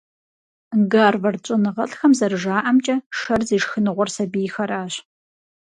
Гарвард щӀэныгъэлӀхэм зэрыжаӀэмкӀэ, шэр зи шхыныгъуэр сабийхэращ.